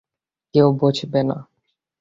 কেউ বসবে না।